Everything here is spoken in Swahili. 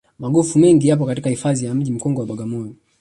magofu mengi yapo katika hifadhi ya mji mkongwe wa bagamoyo